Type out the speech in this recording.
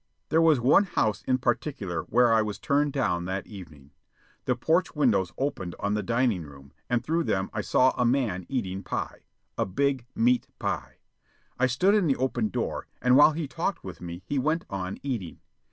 There was one house in particular where I was turned down that evening. The porch windows opened on the dining room, and through them I saw a man eating pie a big meat pie. I stood in the open door, and while he talked with me, he went on eating.